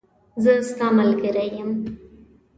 زه ستاملګری یم .